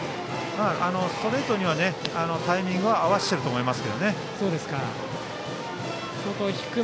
ストレートにはタイミングは合わせていると思います。